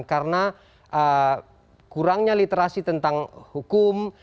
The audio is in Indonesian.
karena kurangnya literasi tentang hukum